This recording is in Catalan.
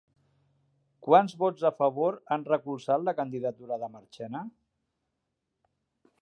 Quants vots a favor han recolzat la candidatura de Marchena?